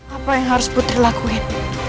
apa yang harus putri lakuin